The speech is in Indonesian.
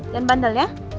dan bandel ya